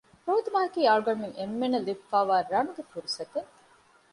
ރޯދަމަހަކީ އަޅުގަނޑުމެން އެންމެންނަށް ލިބިފައިވާ ރަނުގެ ފުރުޞަތެއް